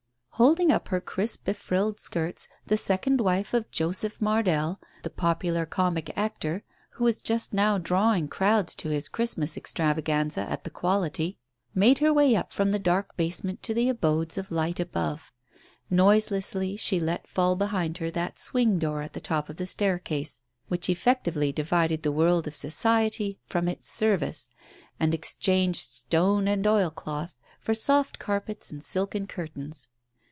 " Holding up her crisp befrilled skirts, the second wife of Joseph Mardell, the popular comic actor, who was just now drawing crowds to his Christmas extravaganza at the "Quality," made her way up from the dark base ment to the abodes of light above. Noiselessly, she let fall behind her that swing door at the top of the staircase which effectively divided the world of society from its service, and exchanged stone and oil cloth for soft carpets and silken curtains.